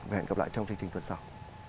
và hẹn gặp lại trong chương trình tuần sau